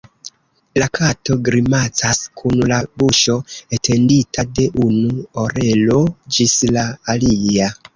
La kato grimacas kun la buŝo etendita de unu orelo ĝis la alia.